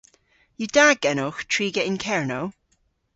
Yw da genowgh triga yn Kernow?